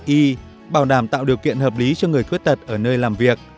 y bảo đảm tạo điều kiện hợp lý cho người khuyết tật ở nơi làm việc